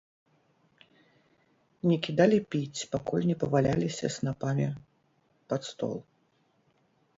Не кідалі піць, пакуль не паваляліся снапамі пад стол.